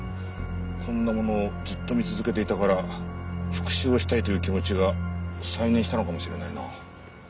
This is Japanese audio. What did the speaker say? こんなものをずっと見続けていたから復讐をしたいという気持ちが再燃したのかもしれないな。